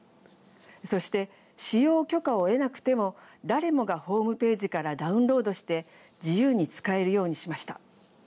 そして使用許可を得なくても誰もがホームページからダウンロードして自由に使えるようにしました。